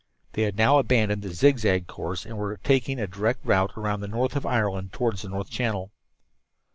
They had now abandoned the zig zagging course and were taking a direct route around the north of Ireland and toward the North Channel.